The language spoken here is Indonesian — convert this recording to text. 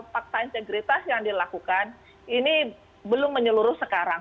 fakta integritas yang dilakukan ini belum menyeluruh sekarang